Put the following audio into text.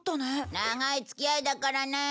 長い付き合いだからね。